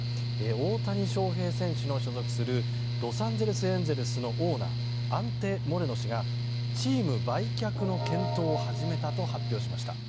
大谷翔平選手の所属するロサンゼルス・エンゼルスのオーナーアルテ・モレノ氏がチーム売却の検討を始めたと発表しました。